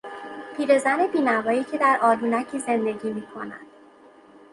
پیرزن بینوایی که در آلونکی زندگی میکند.